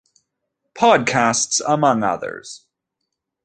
Podcasts among others.